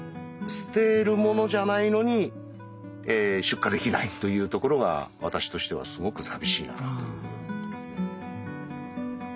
捨てるものじゃないのに出荷できないというところが私としてはすごく寂しいなというふうに思いますね。